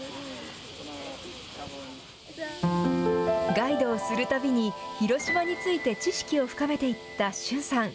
ガイドをするたびに広島について知識を深めていった駿さん。